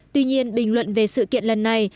tuy nhiên bình luận về sự kiện lần này